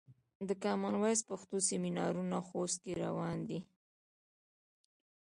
د کامن وایس پښتو سمینارونه خوست کې روان دي.